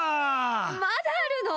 まだあるの！？